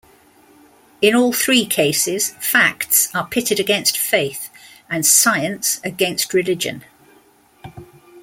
In all three cases, facts are pitted against faith and science against religion.